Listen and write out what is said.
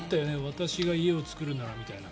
私が家を作るならみたいな。